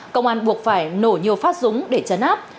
công an buộc phải nổ nhiều phát súng để chấn áp